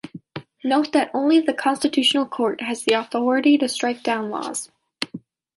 Note that only the Constitutional Court has the authority to strike down laws.